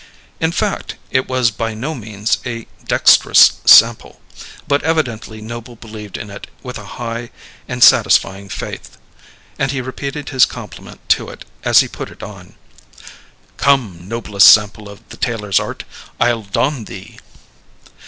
In fact, it was by no means a dext'rous sample; but evidently Noble believed in it with a high and satisfying faith; and he repeated his compliment to it as he put it on: "Come, noblest sample of the tailor's art; I'll don thee!"